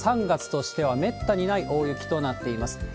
３月としてはめったにない大雪となっています。